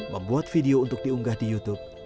membuat video untuk diunggah di youtube